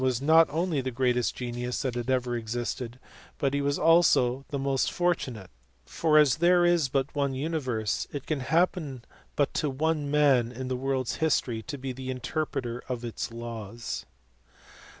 was not only the greatest genius that had ever existed but he was also the most fortunate, for as there is but one universe, it can happen but to one man in the world s history to be the interpreter of its laws.